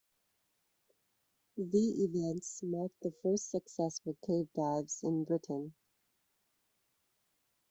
The events marked the first successful cave dives in Britain.